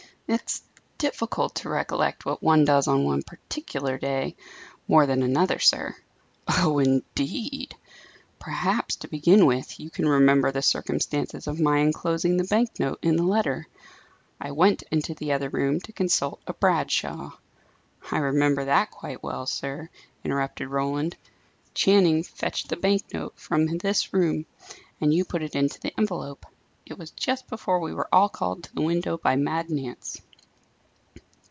"It's difficult to recollect what one does on one particular day more than another, sir." "Oh, indeed! Perhaps, to begin with, you can remember the circumstances of my enclosing the bank note in the letter, I went into the other room to consult a 'Bradshaw' " "I remember that quite well, sir," interrupted Roland. "Channing fetched the bank note from this room, and you put it into the envelope. It was just before we were all called to the window by Mad Nance."